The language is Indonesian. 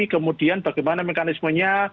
kemudian bagaimana mekanismenya